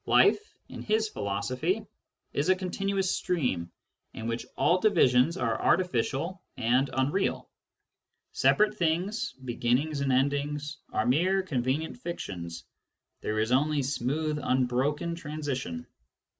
Life, in his philosophy, is a continuous stream, in which all divisions are artificial and unreal. Separate things, beginnings and endings, are mere con venient fictions : there is only smooth, unbroken transi tion.